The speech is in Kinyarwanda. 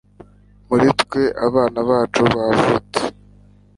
muri twe (nubwo abana bacu bavutse